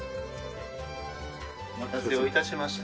お待たせを致しました。